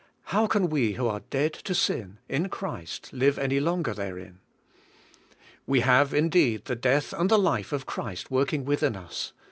How can we who are dead to sin in Christ live any longer therein ? We have indeed the death and the life of Christ work ing within us.